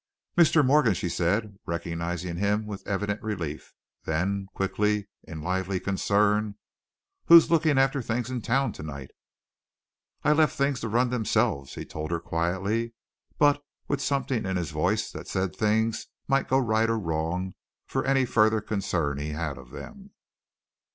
"Mr. Morgan!" she said, recognizing him with evident relief. Then, quickly, in lively concern. "Who's looking after things in town tonight?" "I left things to run themselves," he told her quietly, but with something in his voice that said things might go right or wrong for any further concern he had of them.